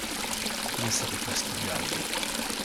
Il ne savait pas ce qui lui arrivait.